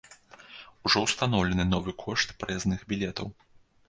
Ужо ўстаноўлены новы кошт праязных білетаў.